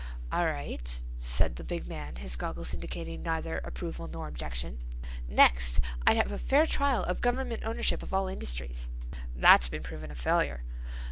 "All right," said the big man, his goggles indicating neither approval nor objection. "Next I'd have a fair trial of government ownership of all industries." "That's been proven a failure."